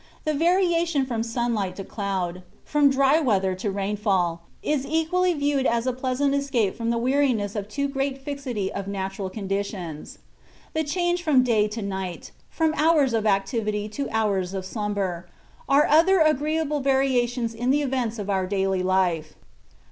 The variation from sunlight to cloud, from dry weather to rainfall, is equally viewed as a pleasant escape from the weariness of too great fixity of natural conditions. The change from day to night, from hours of activity to hours of slumber, are other agreeable variations in the events of our daily life.